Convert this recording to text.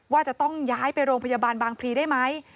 ว่าจะต้องย้ายไปโรงพยาบาลบางพลีได้ไหม